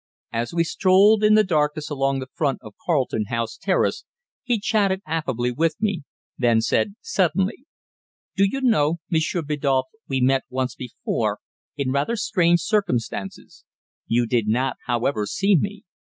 As we strolled in the darkness along the front of Carlton House Terrace he chatted affably with me, then said suddenly "Do you know, Monsieur Biddulph, we met once before in rather strange circumstances. You did not, however, see me.